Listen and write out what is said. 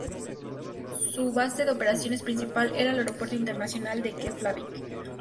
Su base de operaciones principal era el Aeropuerto Internacional de Keflavík.